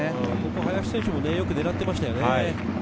林選手も狙っていましたね。